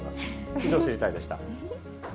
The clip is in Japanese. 以上、知りたいッ！でした。